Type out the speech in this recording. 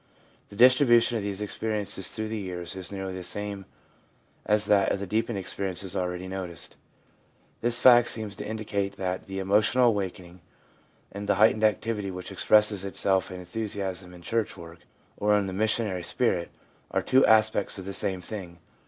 The distribution of these experiences through the years is nearly the same as that of the deepened experiences already noticed. This fact seems to indicate that the emotional awakening and the heightened activity which expresses itself in enthusiasm in church work, or in the missionary spirit, are two aspects of the same thing.